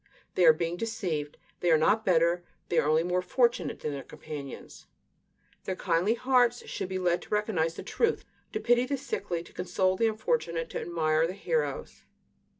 They are being deceived. They are not better, they are only more fortunate than their companions; their kindly hearts should be led to recognize the truth; to pity the, sickly, to console the unfortunate, to admire the heroes.